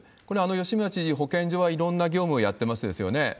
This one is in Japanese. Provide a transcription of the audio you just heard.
これ、吉村知事、保健所はいろんな業務をやってますですよね。